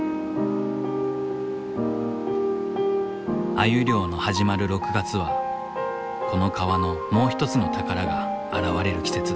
アユ漁の始まる６月はこの川のもう一つの宝が現れる季節だ。